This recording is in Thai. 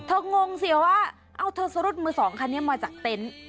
งงสิว่าเอาเธอสรุดมือสองคันนี้มาจากเต็นต์